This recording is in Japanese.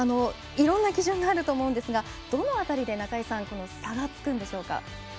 いろんな基準があると思うんですがどの辺りで差がつくんでしょうか。